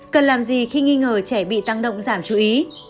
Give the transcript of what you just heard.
cần làm gì khi nghi ngờ trẻ bị tăng động giảm chú ý